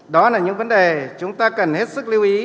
đó là những vấn đề chúng ta cần hết sức lưu ý